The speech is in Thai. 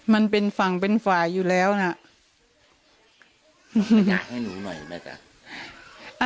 มันเป็นฝั่งเป็นฝ่ายอยู่แล้วน่ะนี่จ้ะให้หนูหน่อยไหมจ๊ะ